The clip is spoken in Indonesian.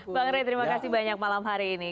mbak irma terima kasih banyak malam hari ini